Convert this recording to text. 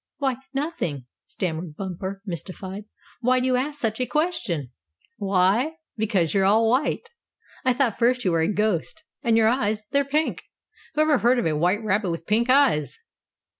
"Why, nothing," stammered Bumper, mystified. "Why do you ask such a question." "Why? Because you're all white. I thought first you were a ghost. And your eyes they're pink. Whoever heard of a white rabbit with pink eyes?"